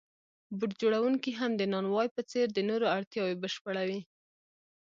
بوټ جوړونکی هم د نانوای په څېر د نورو اړتیاوې بشپړوي